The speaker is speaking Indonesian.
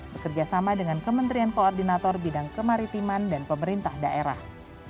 bekerjasama dengan kementerian koordinator bidang kemaritiman dan pemerintah daerah